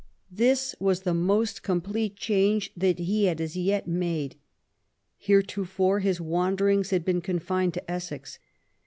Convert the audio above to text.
This was the most complete change that he had as yet made. Heretofore his wanderings had been con fined to Essex.